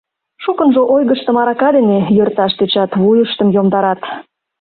Шукынжо ойгыштым арака дене йӧрташ тӧчат, вуйыштым йомдарат.